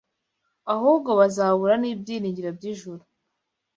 ahubwo bazabura n’ibyiringiro by’ijuru